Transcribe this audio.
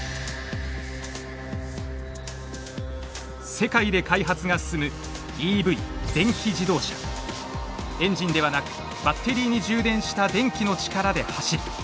世界で開発が進むエンジンではなくバッテリーに充電した電気の力で走る。